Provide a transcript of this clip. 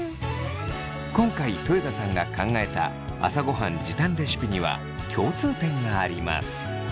今回豊田さんが考えた朝ごはん時短レシピには共通点があります。